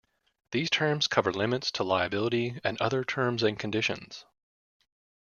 These terms cover limits to liability and other terms and conditions.